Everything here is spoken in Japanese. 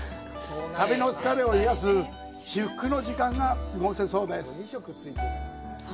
旅の疲れを癒やす至福の時間が過ごせそうです。